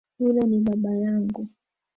Yule ni baba yangu.